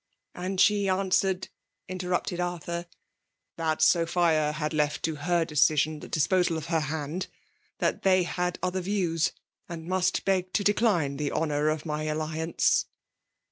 And she answered/' interrupted Arthur — That Sophia had left to her decision the disposal of her hand; that they had other Views; and must beg to decline the honour of my alliance."